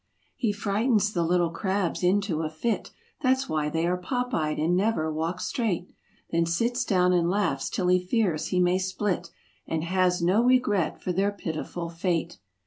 io He frightens the little crabs into a fit; (That's why they are pop eyed and never walk straight ;) Then sits down and laughs till he fears he may split, And has no regret for their pitiful fate.